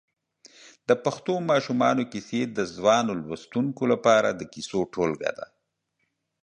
د پښتو ماشومانو کیسې د ځوانو لوستونکو لپاره د کیسو ټولګه ده.